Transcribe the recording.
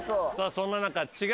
そんな中。